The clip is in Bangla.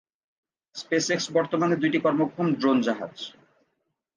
স্পেস এক্স বর্তমানে দুইটি কর্মক্ষম ড্রোন জাহাজ।